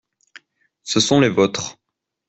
Ce sont les vôtres.